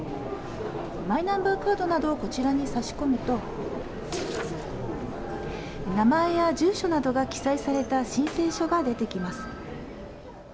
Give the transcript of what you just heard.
マイナンバーカードなどをこちらに差し込むと名前や住所などが記載された申請書が出てきます。